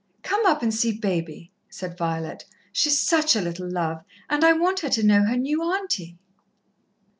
"Come up and see Baby," said Violet. "She's such a little love, and I want her to know her new auntie."